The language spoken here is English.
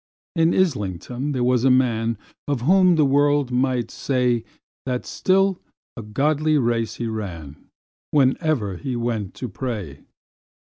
In Islington there was a man, Of whom the world might say, That still a godly race he ran, Whene'er he went to pray.